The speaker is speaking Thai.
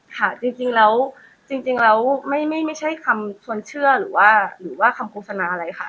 ค่ะจริงแล้วไม่ใช่คำชวนเชื่อหรือว่าคำโฆษณาอะไรค่ะ